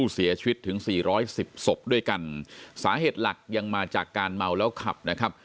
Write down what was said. สาเหตุหลักยังมาจากการเมาแล้วครับ